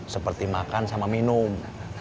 seperti makan sama minum